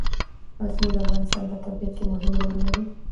غزني د افغانستان په طبیعت کې مهم رول لري.